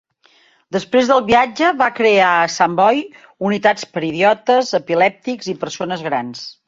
Després del viatge va crear a Sant Boi unitats per idiotes, epilèptics i persones grans.